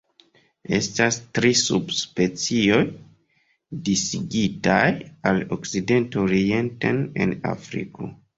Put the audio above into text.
Estas tri subspecioj disigitaj el okcidento orienten en Afriko.